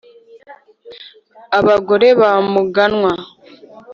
abagore ba muganwa,